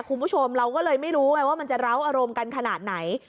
คุณผู้ชมเราก็เลยไม่รู้ไงว่ามันจะเล้าอารมณ์กันขนาดไหน